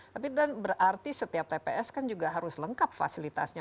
tapi berarti setiap tps kan juga harus lengkap fasilitasnya